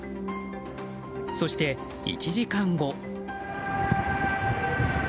そして、１時間後。